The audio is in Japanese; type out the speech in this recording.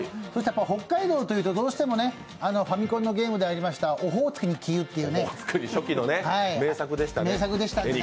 北海道というと、どうしてもファミコンのゲームでありました、「オホーツクに消ゆ」というゲームでね。